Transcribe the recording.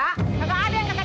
nggak ada yang kena capek